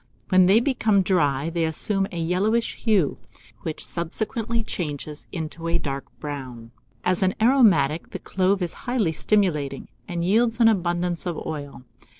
When they become dry, they assume a yellowish hue, which subsequently changes into a dark brown. As an aromatic, the clove is highly stimulating, and yields an abundance of oil.